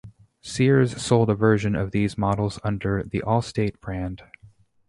Sears sold a version of these models under the Allstate brand.